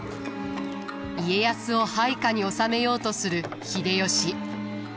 家康を配下に収めようとする秀吉。